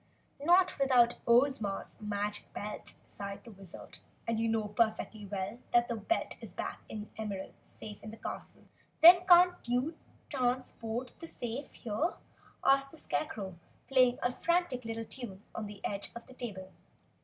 "Not without Ozma's magic belt," sighed the Wizard. "And you know perfectly well that the belt is back in the Emerald safe in the castle!" "Then can't you transport the safe here?" asked the Scarecrow, playing a frantic little tune on the edge of the table.